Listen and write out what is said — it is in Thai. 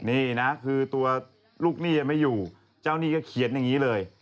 นี่นะคือตัวลูกหนี้ยังไม่อยู่เจ้าหนี้ก็เขียนอย่างนี้เลย